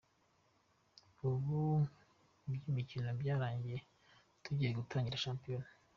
Ubu iby’imikino byarangiye tugiye gutangira shampiyona.